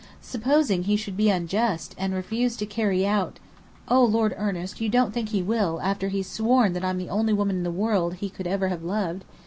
Supposing he should be unjust, and refuse to carry out " "Oh, Lord Ernest, you don't think he will, after he's sworn that I'm the only woman in the world he could ever have loved?